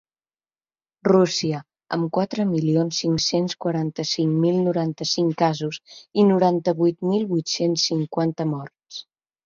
Rússia, amb quatre milions cinc-cents quaranta-cinc mil noranta-cinc casos i noranta-vuit mil vuit-cents cinquanta morts.